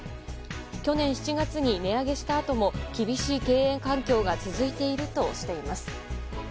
去年７月に値上げしたあとも厳しい経営環境が続いているとしています。